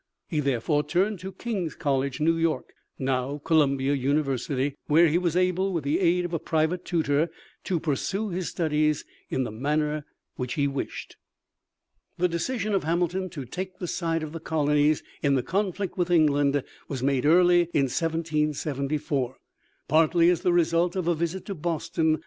He therefore turned to King's College, New York, now Columbia University, where he was able, with the aid of a private tutor, to pursue his studies in the manner which he wished. The decision of Hamilton to take the side of the colonies in the conflict with England was made early in 1774, partly as the result of a visit to Boston.